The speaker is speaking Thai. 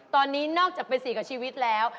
ตอนนี้นอกจากเป็นสิ่งกับชีวิตแล้ว